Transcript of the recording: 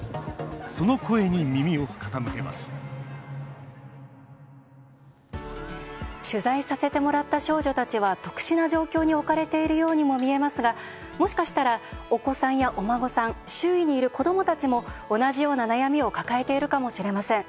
その声に耳を傾けます取材させてもらった少女たちは、特殊な状況に置かれているようにも見えますがもしかしたらお子さんやお孫さん周囲にいる子どもたちも同じような悩みを抱えているかもしれません。